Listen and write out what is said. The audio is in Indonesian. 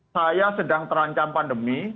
saya sedang terancam pandemi